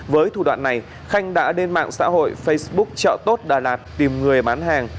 với thủ đoạn này khanh đã đến mạng xã hội facebook chợ tốt đà lạt tìm người bán hàng